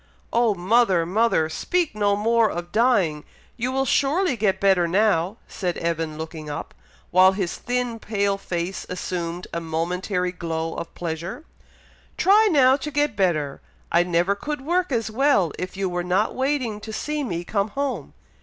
"Oh, mother! mother! speak no more of dying! You will surely get better now!" said Evan, looking up, while his thin pale face assumed a momentary glow of pleasure. "Try now to get better! I never could work as well, if you were not waiting to see me come home!